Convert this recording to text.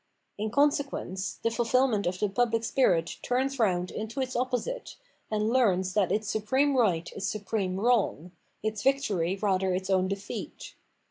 In consequence, the fulfilment of the pubUc spirit turns round into its opposite, and learns that its supreme right is supreme wrong, its victory rather its own defeat.